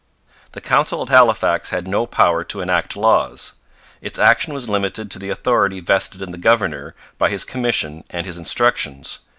The Council at Halifax had no power to enact laws. Its action was limited to the authority vested in the governor by his commission and his instructions.